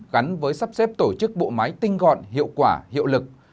gắn với sắp xếp tổ chức bộ máy tinh gọn hiệu quả hiệu lực